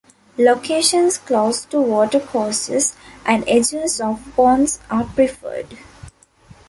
Locations close to watercourses and edges of ponds are preferred.